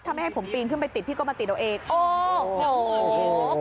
ถ้าไม่ให้ผมปีนขึ้นไปติดพี่ก็มาติดเอาเองโอ้โห